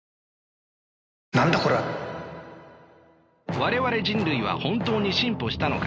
我々人類は本当に進歩したのか。